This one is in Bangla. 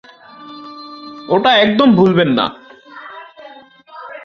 ওটা একদম ভুলবেন না।